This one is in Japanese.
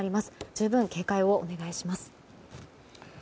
十分警戒をお願いします。